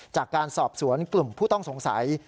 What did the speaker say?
จากการสอบสวนกลุ่มผู้ต้องสงสัย